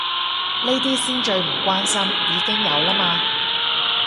呢啲先最唔關心，已經有啦嘛